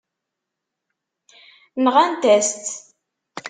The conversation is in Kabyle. Nɣant-as-tt.